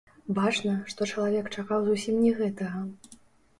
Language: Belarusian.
Бачна, што чалавек чакаў зусім не гэтага.